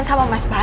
ketua orang joanna